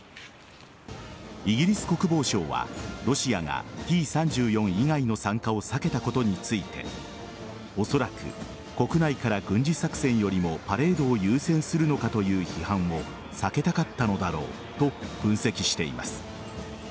イギリス国防省は、ロシアがＴ‐３４以外の参加を避けたことについておそらく国内から軍事作戦よりもパレードを優先するのかという批判を避けたかったのだろうと分析しています。